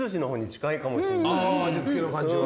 味付けの感じは？